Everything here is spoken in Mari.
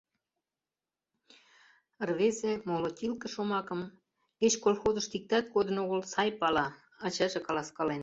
Рвезе молотилке шомакым, кеч колхозышто иктат кодын огыл, сай пала: ачаже каласкален.